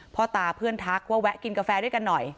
พ่อตาเพื่อนทักว่าแวะกินกาแฟด้วยกันหน่อย